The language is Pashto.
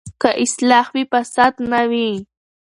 که اصلاح وي، فساد نه وي.